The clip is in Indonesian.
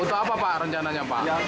untuk hari raya